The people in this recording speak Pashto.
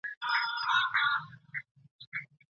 علمي سیمینار په خپلواکه توګه نه اداره کیږي.